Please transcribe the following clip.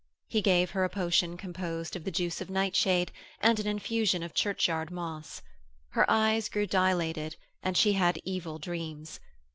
He gave her a potion composed of the juice of nightshade and an infusion of churchyard moss. Her eyes grew dilated and she had evil dreams.